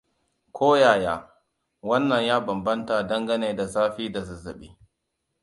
Koyaya, wannan ya bambanta dangane da zafi da zazzabi.